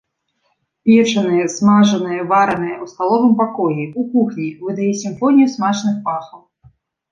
Печанае, смажанае, варанае ў сталовым пакоі, у кухні выдае сімфонію смачных пахаў.